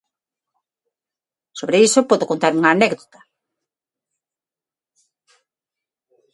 Sobre iso podo contar unha anécdota.